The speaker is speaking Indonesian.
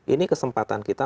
ini kesempatan kita